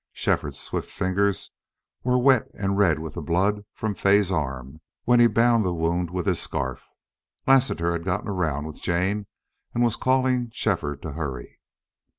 Shefford's swift fingers were wet and red with the blood from Fay's arm when he had bound the wound with his scarf. Lassiter had gotten around with Jane and was calling Shefford to hurry.